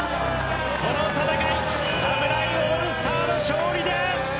この戦い侍オールスターの勝利です！